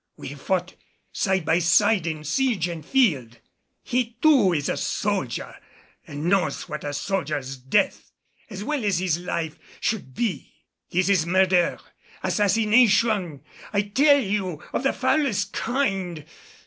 We have fought side by side in siege and field. He too is a soldier and knows what a soldier's death, as well as his life, should be. This is murder assassination, I tell you of the foulest kind!